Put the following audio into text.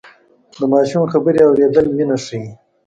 د ماشوم خبرې اورېدل مینه ښيي.